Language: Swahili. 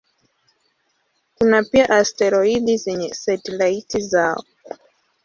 Kuna pia asteroidi zenye satelaiti zao.